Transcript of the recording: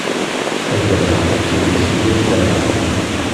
Agama yettwet si yal tama.